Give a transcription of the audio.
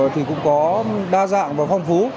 thì cũng có đa dạng và phong phú